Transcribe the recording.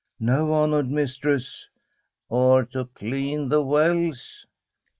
' No, honoured mistress.' ' Or to clean the wells ?